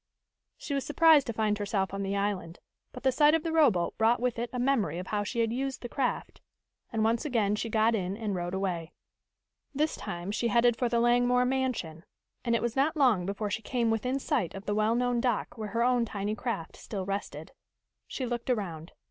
She was surprised to find herself on the island, but the sight of the rowboat brought with it a memory of how she had used the craft, and once again she got in and rowed away. This time she headed for the Langmore mansion, and it was not long before she came within sight of the well known dock where her own tiny craft still rested. She looked around.